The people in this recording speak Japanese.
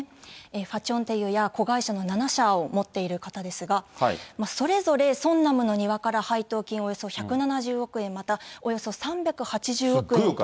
ファチョンテユや子会社の７社を持っている方ですが、それぞれソンナムの庭から配当金およそ１７０億円、また、およそ３８０億円を。